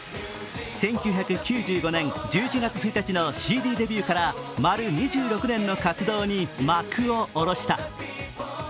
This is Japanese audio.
１９９５年１１月１日のＣＤデビューから丸２６年の活動に幕を下ろした。